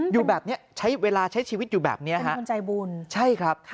อยู่แบบนี้ใช้เวลาใช้ชีวิตอยู่แบบนี้ใช่ครับ